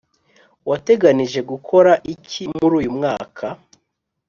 wateganije gukora iki muruyu mwaka